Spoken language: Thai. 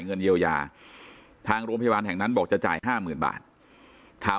เงินเยียวยาทางโรงพยาบาลแห่งนั้นบอกจะจ่ายห้าหมื่นบาทถาม